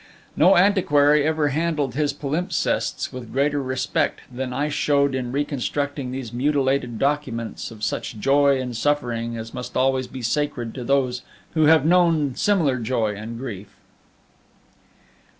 No antiquary ever handled his palimpsests with greater respect than I showed in reconstructing these mutilated documents of such joy and suffering as must always be sacred to those who have known similar joy and grief.